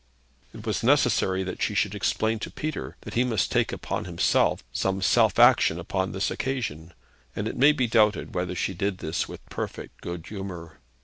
It was necessary that she should explain to Peter that he must take upon himself some self action upon this occasion, and it may be doubted whether she did this with perfect good humour.